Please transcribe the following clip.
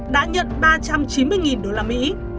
đã nhận ba trăm chín mươi đô la mỹ